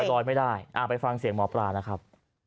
ลอยไม่ได้ไปฟังเสียงหมอปลานะครับ